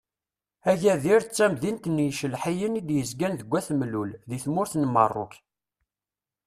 Agadir d tamdint n yicelḥiyen i d-yezgan deg At Mellul di tmurt n Merruk.